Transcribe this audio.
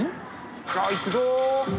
じゃあいくぞ！